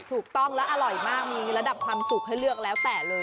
ถูกต้องแล้วอร่อยมากมีระดับความสุขให้เลือกแล้วแต่เลย